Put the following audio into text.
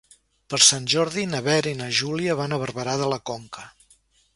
Per Sant Jordi na Vera i na Júlia van a Barberà de la Conca.